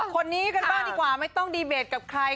คนนี้กันบ้างดีกว่าไม่ต้องดีเบตกับใคร